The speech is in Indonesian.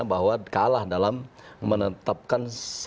bahwa kalah dalam menetapkan